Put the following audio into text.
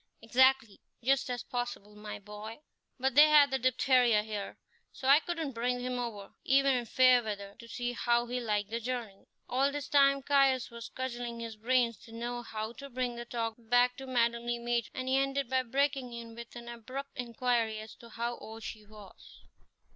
"Exactly, just as possible, my boy; but they had the diphtheria here, so I couldn't bring him over, even in fair weather, to see how he liked the journey." All this time Caius was cudgelling his brains to know how to bring the talk back to Madame Le Maître, and he ended by breaking in with an abrupt inquiry as to how old she was.